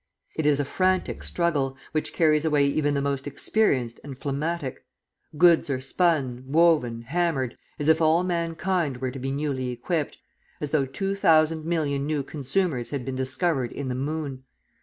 It is a frantic struggle, which carries away even the most experienced and phlegmatic; goods are spun, woven, hammered, as if all mankind were to be newly equipped, as though two thousand million new consumers had been discovered in the moon.